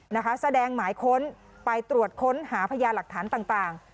นะคะแสดงหมายค้นไปตรวจค้นหาพญาหลักฐานต่างต่าง